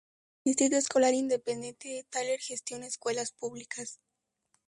El Distrito Escolar Independiente de Tyler gestiona escuelas públicas.